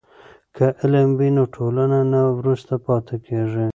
که علم وي نو ټولنه نه وروسته پاتې کیږي.